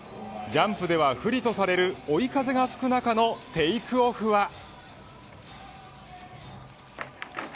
ジャンプでは不利とされる追い風が吹く中のテイクオフは。